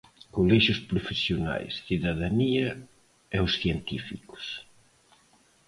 Colexios profesionais, cidadanía e os científicos.